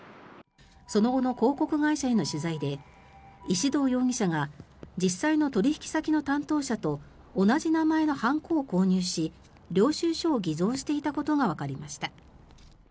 その後の広告会社への取材で石動容疑者が実際の取引先の担当者と同じ名前の判子を購入し領収書を偽造していたことがわかりました。